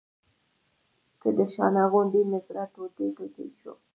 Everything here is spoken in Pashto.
که د شانه غوندې مې زړه ټوټې ټوټې شو.